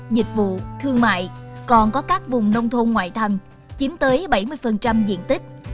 dịch vụ thương mại còn có các vùng nông thôn ngoại thành chiếm tới bảy mươi diện tích